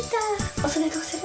おそでどうする？